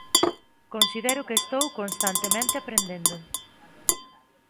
Considero que estou constantemente aprendendo.